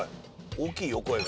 大きいよ声が。